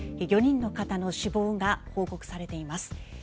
４人の方の死亡が報告されています。